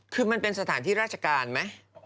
คือมันเป็นสถานที่ราชการไหม